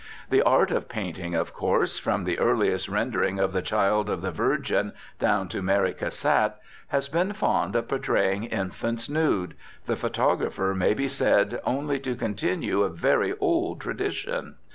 The art of painting, of course, from the earliest rendering of the Child of the Virgin down to Mary Cassatt, has been fond of portraying infants nude, the photographer may be said only to continue a very old tradition.